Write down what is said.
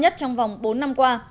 trong vòng bốn năm qua